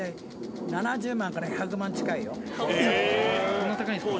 そんな高いんですか？